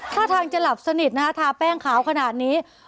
ท่าทางจะหลับสนิทนะฮะทาแป้งขาวขนาดนี้